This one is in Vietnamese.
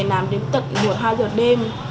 mình làm đến tận buổi hai giờ đêm